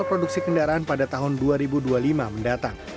produksi kendaraan pada tahun dua ribu dua puluh lima mendatang